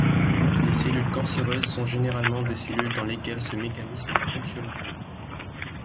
Les cellules cancéreuses sont généralement des cellules dans lesquelles ce mécanisme ne fonctionne plus.